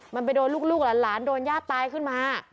มันไปโดนลูกหลานโดนญาติตายขึ้นมา